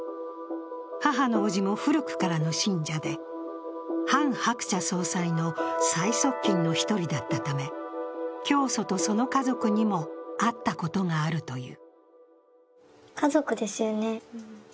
母の叔父も古くからの信者でハン・ハクチャ総裁の最側近の１人だったため、教祖とその家族にも会ったことがあるという。